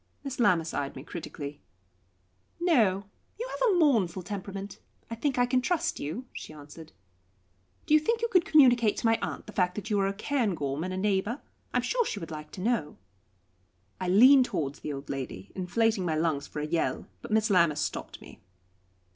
Miss Lammas eyed me critically. "No; you have a mournful temperament. I think I can trust you," she answered. "Do you think you could communicate to my aunt the fact that you are a Cairngorm and a neighbour? I am sure she would like to know." I leaned towards the old lady, inflating my lungs for a yell. But Miss Lammas stopped me.